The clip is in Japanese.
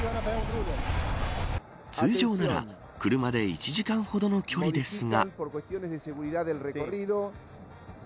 通常なら車で１時間ほどの距離ですが。